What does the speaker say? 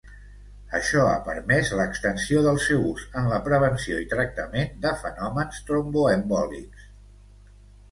Això ha permès l’extensió del seu ús en la prevenció i tractament de fenòmens tromboembòlics.